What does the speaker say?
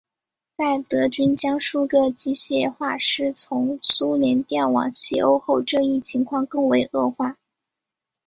在德军将数个机械化师从苏联调往西欧后这一情况更为恶化。